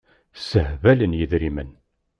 Ssehbalen yidrimen.